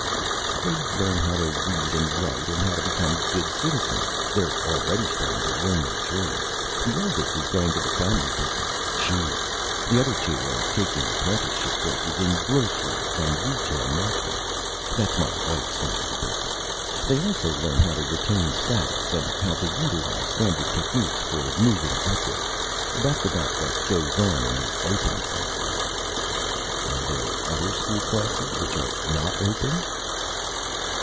"They learn how to read and write, and how to become good citizens. They're already starting to learn their trades. The oldest is going into the family business shoes. The other two are taking apprenticeship courses in groceries and retail marketing. That's my wife's family's business. They also learn how to retain status, and how to utilize standard techniques for moving upward. That's about what goes on in the open classes." "Are there other school classes which are not open?"